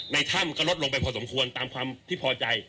ถ้ำก็ลดลงไปพอสมควรตามความที่พอใจ